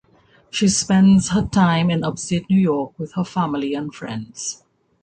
She spends her time in upstate New York with her family and friends.